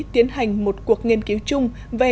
tiến hành một cuộc nghiên cứu chung về